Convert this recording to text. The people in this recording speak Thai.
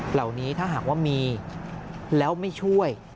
เหล่านี้ถ้าหากว่ามีแล้วไม่ช่วย